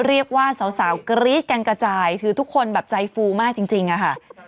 เรียกว่าสาวกรี๊ดกันกระจายคือทุกคนแบบใจฟูมากจริงอะค่ะ